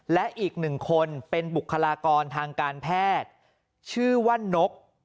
และอีกหนึ่งคนเป็นบุคลากรทางการแพทย์ชื่อว่านก